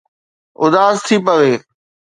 اداس ٿي پوي